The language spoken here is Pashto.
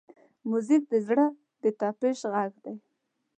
موزیک د زړه د طپش غږ دی.